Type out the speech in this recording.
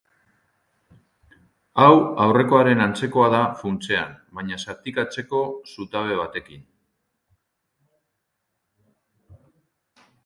Hau aurrekoaren antzekoa da funtsean, baina zatikatzeko zutabe batekin.